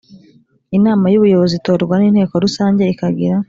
Inama y ubuyobozi itorwa n inteko rusange ikagira